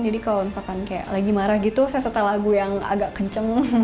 jadi kalau misalkan kayak lagi marah gitu saya setel lagu yang agak kenceng